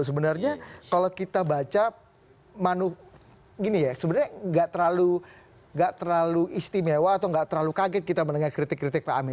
sebenarnya kalau kita baca sebenarnya tidak terlalu istimewa atau tidak terlalu kaget kita mendengar kritik kritik pak amin